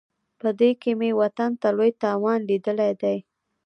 په دې کې مې وطن ته لوی تاوان لیدلی دی.